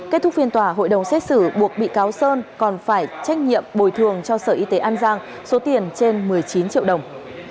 kết thúc phiên tòa hội đồng xét xử buộc bị cáo sơn còn phải trách nhiệm bồi thường cho sở y tế an giang số tiền trên một mươi chín triệu đồng